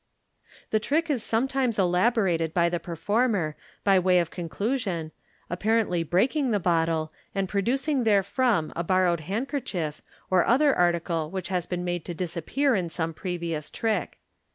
The trick is sometimes elaborated by the performer, by way of conclusion, apparently breaking the bottle, and producing therefrom a borrowed handkerchief or other article which has been made to dis appear in some previous trick.